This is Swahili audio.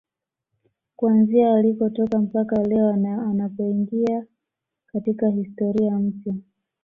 Kuanzia alikotoka mpaka leo anapoingia katika historia mpya